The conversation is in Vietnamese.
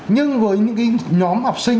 nhưng với những cái nhóm học sinh